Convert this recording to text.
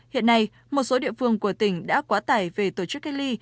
hiện nay một số địa phương của tỉnh đã quá tải về tổ chức cách ly